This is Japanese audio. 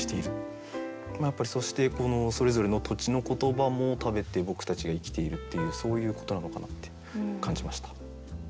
やっぱりそしてこのそれぞれの土地の言葉も食べて僕たちが生きているっていうそういうことなのかなって感じました。